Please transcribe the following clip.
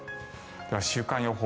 では、週間予報。